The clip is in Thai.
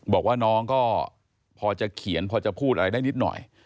บอกว่าน้องก็พอจะเขียนพอจะพูดอะไรได้นิดหน่อย